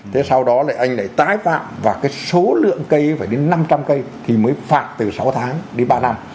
thế sau đó lại anh lại tái phạm và cái số lượng cây phải đến năm trăm linh cây thì mới phạt từ sáu tháng đến ba năm